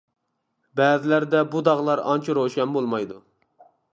بەزىلىرىدە بۇ داغلار ئانچە روشەن بولمايدۇ.